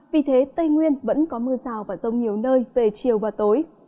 vì thế tây nguyên vẫn có mưa rào và rông nhiều nơi về chiều và tối